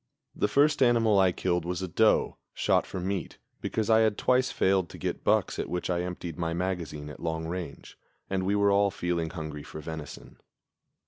The first animal I killed was a doe, shot for meat, because I had twice failed to get bucks at which I emptied my magazine at long range, and we were all feeling hungry for venison.